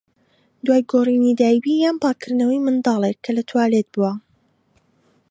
دوای گۆڕینی دایبی یان پاکردنەوەی مناڵێک کە لە توالێت بووە.